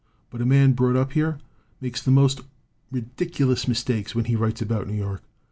But a man brought up here makes the most ridiculous mistakes when he writes about New York.